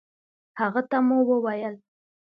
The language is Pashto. هغه ته مو وويل